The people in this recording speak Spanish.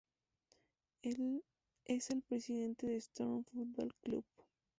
Es el presiente del Storm Football Club.